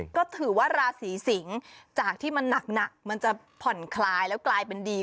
ก็ถือว่าราศีสิงศ์จากที่มันหนักมันจะผ่อนคลายแล้วกลายเป็นดี